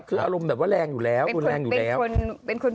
พลิกต๊อกเต็มเสนอหมดเลยพลิกต๊อกเต็มเสนอหมดเลย